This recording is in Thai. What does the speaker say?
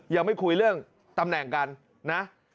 ยังไม่คุยเรื่องตำแหน่งกันนะ